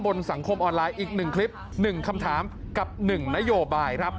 บนสังคมออนไลน์อีกหนึ่งคลิปหนึ่งคำถามกับหนึ่งนโยบายครับ